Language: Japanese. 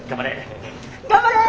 頑張れ。